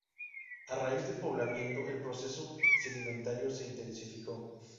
A raíz del poblamiento, el proceso sedimentario se intensificó.